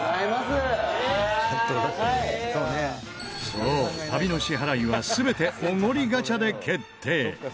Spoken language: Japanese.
そう旅の支払いは全てオゴリガチャで決定！